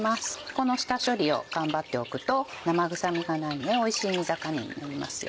この下処理を頑張っておくと生臭みがないおいしい煮魚になりますよ。